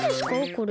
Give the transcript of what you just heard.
これ。